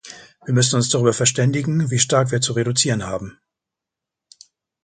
Wir müssen uns darüber verständigen, wie stark wir zu reduzieren haben.